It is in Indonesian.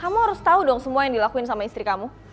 kamu harus tahu dong semua yang dilakuin sama istri kamu